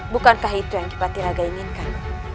bukankah itu yang kipati raga inginkan